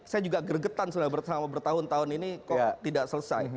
saya juga gregetan selama bertahun tahun ini kok tidak selesai